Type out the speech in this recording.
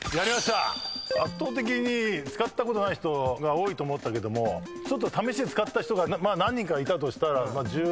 圧倒的に使ったことない人が多いと思ったけどもちょっと試しで使った人が何人かいたとしたら十何％ぐらいかなと思って。